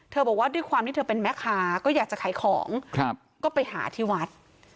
บอกว่าด้วยความที่เธอเป็นแม่ค้าก็อยากจะขายของก็ไปหาที่วัด